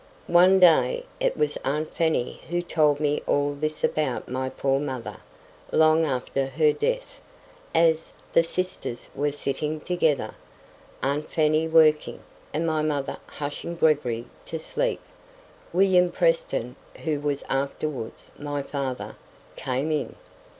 One day—it was aunt Fanny who told me all this about my poor mother, long after her death—as the sisters were sitting together, aunt Fanny working, and my mother hushing Gregory to sleep, William Preston, who was afterwards my father, came in.